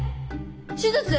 手術？